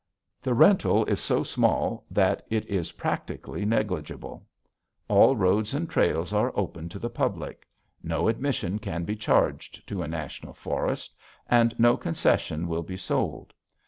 The rental is so small that it is practically negligible. All roads and trails are open to the public; no admission can be charged to a National Forest, and no concession will be sold.